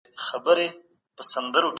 تاسي ولي په ژوند کي د خدای یاد هېروئ؟